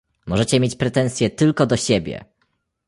możecie mieć pretensje tylko do siebie!